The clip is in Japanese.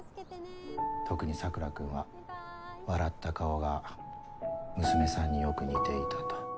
特に桜君は笑った顔が娘さんによく似ていたと。